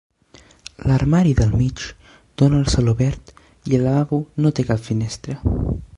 L'armari del mig dona al celobert i el lavabo no té cap finestra.